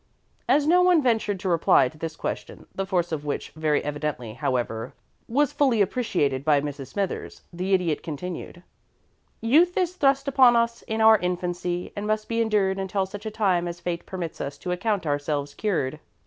As no one ventured to reply to this question, the force of which very evidently, however, was fully appreciated by Mrs. Smithers, the Idiot continued: [Illustration: "'I THOUGHT MY FATHER A MEAN SPIRITED ASSASSIN'"] "Youth is thrust upon us in our infancy, and must be endured until such a time as Fate permits us to account ourselves cured.